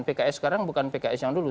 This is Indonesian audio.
pks sekarang bukan pks yang dulu